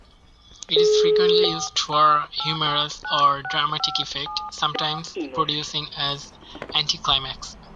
It is frequently used for humorous or dramatic effect, sometimes producing an anticlimax.